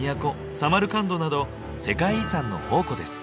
サマルカンドなど世界遺産の宝庫です。